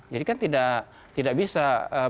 jadi kan tidak bisa